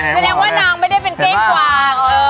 แสดงว่านางไม่ได้เป็นเก้งกวาง